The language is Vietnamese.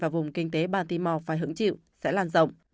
và vùng kinh tế baltimore phải hứng chịu sẽ làn rộng